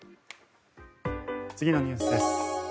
次のニュースです。